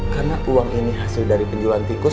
karena uang ini hasil dari penjualan tikus